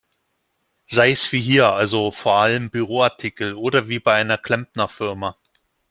Sei's wie hier, also vor allem Büroartikel, oder wie bei einer Klempnerfirma.